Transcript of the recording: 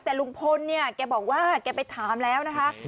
แต่ลุงพลเนี่ยแกบอกว่าแกไปถามแล้วนะคะ